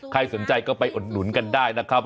ใครสนใจก็ไปอุดหนุนกันได้นะครับ